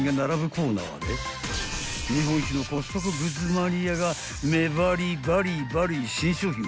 ［日本一のコストコグッズマニアが目張りバリバリ新商品は］